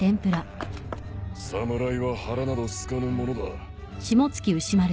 侍は腹などすかぬものだ。